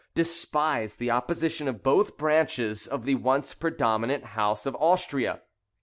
despised the opposition of both branches of the once predominant house of Austria.